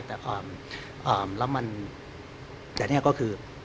แล้วมันแต่นี่ก็คือ